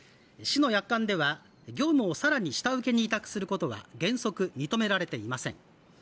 市の約款では業務を更に下請けに委託することは原則認められていません